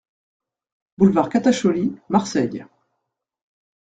Boulevard Catacholi, Marseille